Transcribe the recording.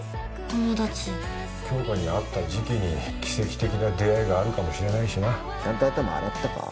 友達杏花に合った時期に奇跡的な出会いがあるかもしれないしなちゃんと頭洗ったか？